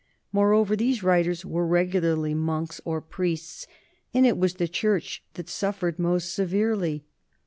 Moreover, these writers were regularly monks or priests, and it was the church that suffered most severely.